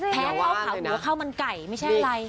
แพ้เข้าขาวหัวเข้ามันไก่ไม่ใช่อะไร